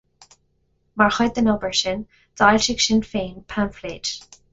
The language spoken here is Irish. Mar chuid den obair sin, d'fhoilsigh Sinn Féin paimfléad.